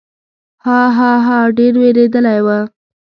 ها، ها، ها، ډېر وېرېدلی و.